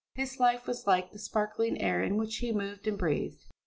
His life was like the sparkling air in which he moved and breathed.